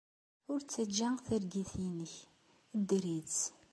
Ur ttajja targit-nnek! Dder-itt!